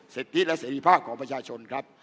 สิทธิและเสรีภาพของประชาชนครับ